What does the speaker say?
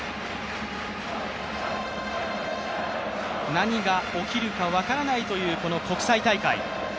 何が起きるか分からないという国際大会。